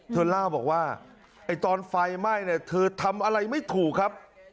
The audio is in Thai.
เธอเล่าบอกว่าไอ้ตอนไฟไหม้เนี่ยเธอทำอะไรไม่ถูกครับ